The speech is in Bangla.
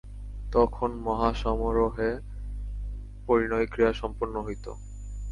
তখন মহাসমারোহে পরিণয়-ক্রিয়া সম্পন্ন হইত।